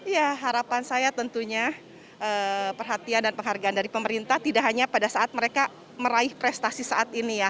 ya harapan saya tentunya perhatian dan penghargaan dari pemerintah tidak hanya pada saat mereka meraih prestasi saat ini ya